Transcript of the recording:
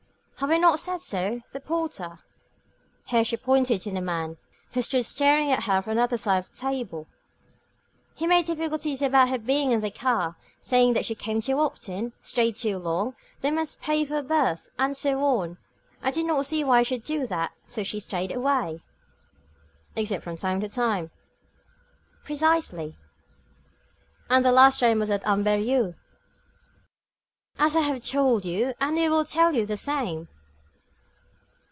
Have I not said so? The porter," here she pointed to the man, who stood staring at her from the other side of the table, "he made difficulties about her being in the car, saying that she came too often, stayed too long, that I must pay for her berth, and so on. I did not see why I should do that; so she stayed away." "Except from time to time?" "Precisely." "And the last time was at Amberieux?" "As I have told you, and he will tell you the same."